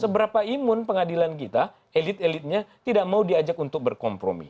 seberapa imun pengadilan kita elit elitnya tidak mau diajak untuk berkompromi